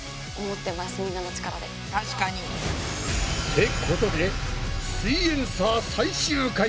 確かに。ってことで「すイエんサー」最終回！